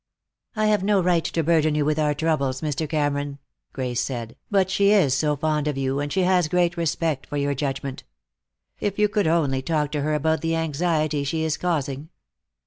"I have no right to burden you with our troubles, Mr. Cameron," Grace said, "but she is so fond of you, and she has great respect for your judgment. If you could only talk to her about the anxiety she is causing.